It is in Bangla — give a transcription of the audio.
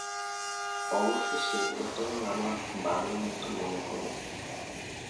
অবশেষে এটাকেই আমার বাড়ির মতো মনে হল।